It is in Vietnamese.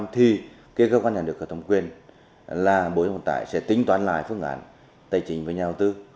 thì cái cơ quan nhà nước giao thông quyền là bộ giao thông vận tải sẽ tính toán lại phương án tài chính với nhà đầu tư